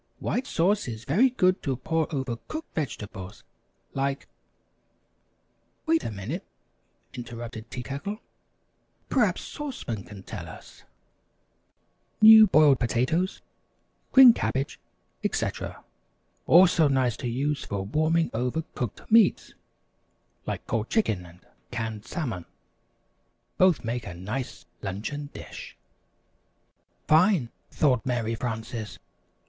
"'White Sauce is very good to pour over cooked vegetables, like '" "Wait a minute," interrupted Tea Kettle, "perhaps Sauce Pan can tell us." [Illustration: "Honorable Mr. Coffee Pot, Esquire"] "New boiled potatoes, green cabbage, etc; also nice to use for warming over cooked meats, like cold chicken and canned salmon. Both make a nice luncheon dish." ("Fine!" thought Mary Frances.